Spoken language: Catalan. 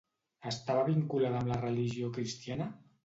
Estava vinculada amb la religió cristiana?